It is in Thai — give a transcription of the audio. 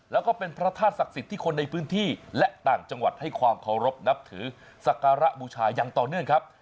แล้วก็เป็นพระธาตุศักดิ์สิทธิ์ที่คนในพื้นที่และต่างจังหวัดให้ความเคารพนับถือศักระบูชาอย่างต่อเนื่องครับ